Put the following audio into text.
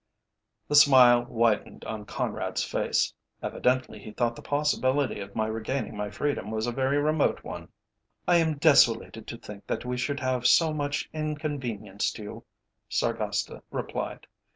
The smile widened on Conrad's face. Evidently he thought the possibility of my regaining my freedom was a very remote one. "I am desolated to think that we should have so much inconvenienced you," Sargasta replied.